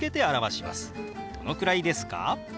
「どのくらいですか？」。